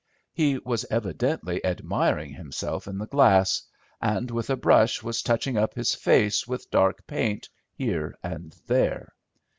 He was evidently admiring himself in the glass, and with a brush was touching up his face with dark paint here and there.